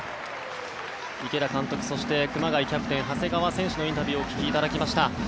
池田監督そして熊谷キャプテン長谷川選手のインタビューをお聞きいただきました。